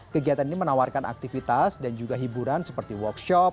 kegiatan ini menawarkan aktivitas dan juga hiburan seperti workshop